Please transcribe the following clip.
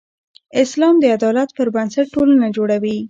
اسلام د عدالت پر بنسټ ټولنه جوړوي.